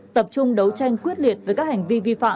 tập trung đấu tranh